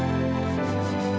ya makasih ya